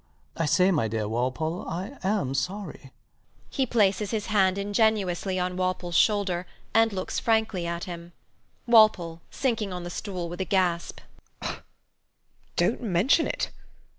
I say, my dear Walpole, I am sorry. [He places his hand ingenuously on Walpole's shoulder and looks frankly at him]. WALPOLE [sinking on the stool with a gasp] Dont mention it.